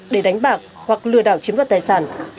để đánh bạc hoặc lừa đảo chiếm đoạt tài sản